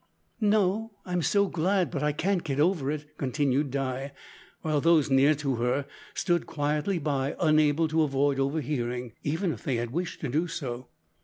"No I'm so glad, but I can't get over it," continued Di, while those near to her stood quietly by unable to avoid overhearing, even if they had wished to do so.